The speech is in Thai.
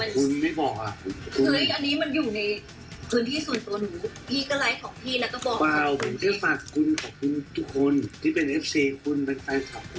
คุณไม่ต้องร้อยผู้ชายพูดหรอกนะคะ